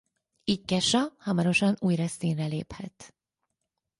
Így Kesha hamarosan újra színre léphet.